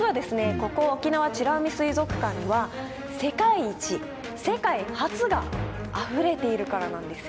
ここ沖縄美ら海水族館には世界一・世界初があふれているからなんですよ。